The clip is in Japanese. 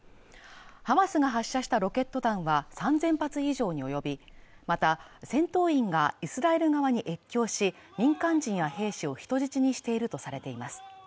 ハマスが発射したロケット弾は３０００発以上に及び、また戦闘員がイスラエル側に越境し民間人や兵士を人質にしているとされています。